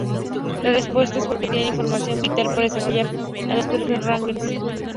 La respuesta es porque tiene información vital para derrotar a los Perfect Rangers.